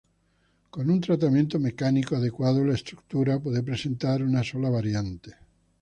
Con un tratamiento mecánico adecuado la estructura puede presentar una sola variante.